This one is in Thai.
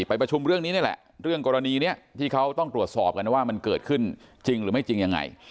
ประชุมเรื่องนี้นี่แหละเรื่องกรณีนี้ที่เขาต้องตรวจสอบกันว่ามันเกิดขึ้นจริงหรือไม่จริงยังไง